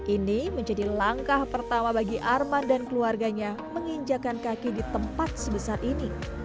ini menjadi langkah pertama bagi arman dan keluarganya menginjakan kaki di tempat sebesar ini